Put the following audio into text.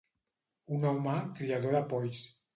Un home criador de polls.